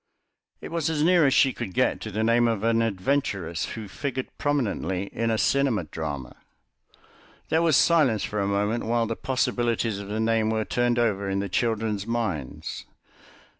It was as near as she could get to the name of an adventuress who figured prominently in a cinema drama. There was silence for a moment while the possibilities of the name were turned over in the children's minds.